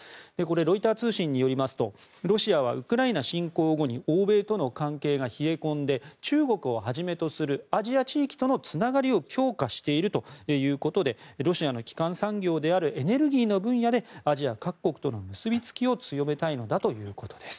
ロイター通信によりますとロシアは、ウクライナ侵攻後に欧米との関係が冷え込んで中国をはじめとするアジア地域とのつながりを強化しているということでロシアの基幹産業であるエネルギーの分野でアジア各国との結びつきを強めたいというのです。